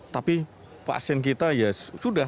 tapi pasien kita ya sudah